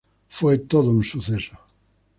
Fue todo un suceso.